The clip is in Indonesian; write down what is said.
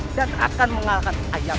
dan akan mengalahkan ayam